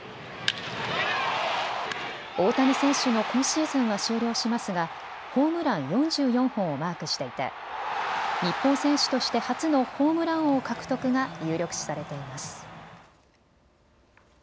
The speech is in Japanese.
大谷選手の今シーズンは終了しますがホームラン４４本をマークしていて日本選手として初のホームラン王獲得が有力視されています。